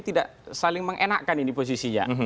tidak saling mengenakan ini posisinya